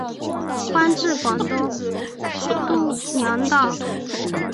官至广东督粮道。